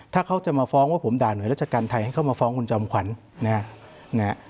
ถ้าเขาจะมาฟ้องว่าผมด่าหน่วยราชการไทยให้เข้ามาฟ้องคุณจอมขวัญนะฮะ